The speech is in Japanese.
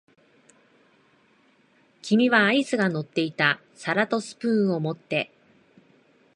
君はアイスが乗っていた皿とスプーンを持って、